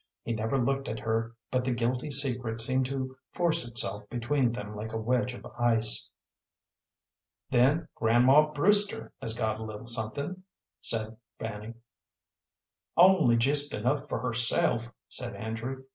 He never looked at her but the guilty secret seemed to force itself between them like a wedge of ice. "Then Grandma Brewster has got a little something," said Fanny. "Only just enough for herself," said Andrew.